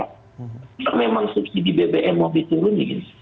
kalau memang subsidi bbm mau diturunin